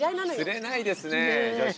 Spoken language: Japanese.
つれないですね女子。